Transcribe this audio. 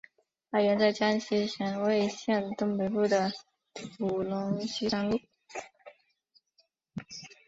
发源在江西省婺源县东北部的五龙山西南麓。